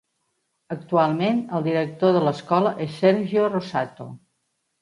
Actualment el director de l'escola és Sergio Rosato.